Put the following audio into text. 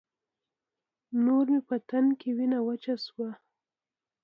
نور مې په تن کې وينه وچه شوه.